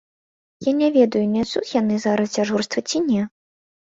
Я не ведаю, нясуць яны зараз дзяжурства ці не.